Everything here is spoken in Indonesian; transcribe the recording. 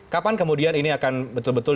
kapan kemudian ini akan betul betul